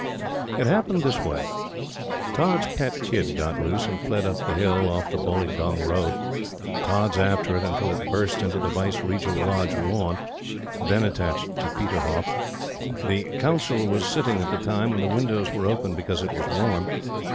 It happened this way: Tods' pet kid got loose, and fled up the hill, off the Boileaugunge Road, Tods after it, until it burst into the Viceregal Lodge lawn, then attached to "Peterhoff." The Council were sitting at the time, and the windows were open because it was warm.